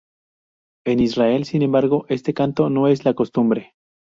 En Israel, sin embargo, este canto no es la costumbre.